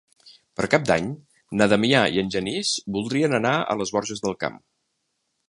Per Cap d'Any na Damià i en Genís voldrien anar a les Borges del Camp.